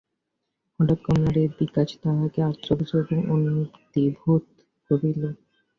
হঠাৎ কমলার এই বিকাশ তাহাকে আশ্চর্য এবং অভিভূত করিল।